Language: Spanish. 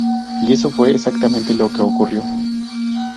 Y eso fue exactamente lo que ocurrió.